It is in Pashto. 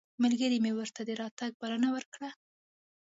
ملګري مې ورته د راتګ بلنه ورکړه.